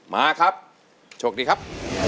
มาครับโชคดีครับ